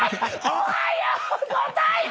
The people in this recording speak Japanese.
おはようございま。